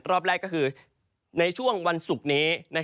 รอบแรกก็คือในช่วงวันศุกร์นี้